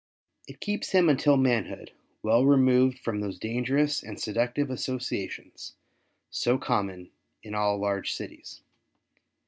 It keeps him until manhood, well removed from those dangerous and seductive associations, so common in all large cities.